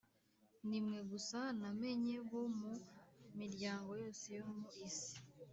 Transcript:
“Ni mwe gusa namenye bo mu miryango yose yo mu isi